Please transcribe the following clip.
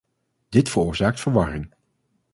Dit veroorzaakt verwarring.